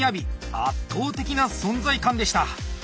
圧倒的な存在感でした。